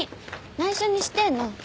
内緒にしてえな。